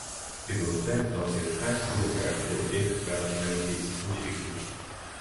It was based on his high school years in East Grand Rapids, Michigan.